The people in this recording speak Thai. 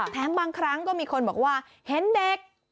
บางครั้งก็มีคนบอกว่าเห็นเด็ก